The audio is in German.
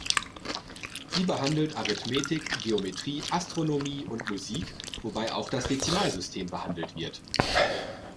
Sie behandelt Arithmetik, Geometrie, Astronomie und Musik, wobei auch das Dezimalsystem behandelt wird.